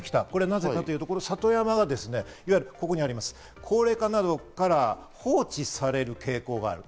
なぜかというと里山が高齢化などから放置される傾向がある。